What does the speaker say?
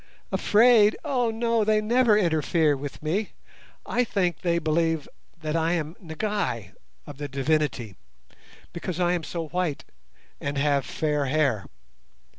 "Afraid? Oh no! they never interfere with me. I think they believe that I am 'Ngai' (of the Divinity) because I am so white and have fair hair.